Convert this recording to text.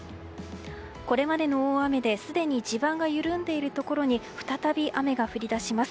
これまでの大雨ですでに地盤が緩んでいるところに再び雨が降り出します。